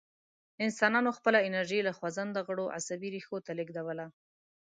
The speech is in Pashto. انسانانو خپله انرژي له خوځنده غړو عصبي ریښو ته لېږدوله.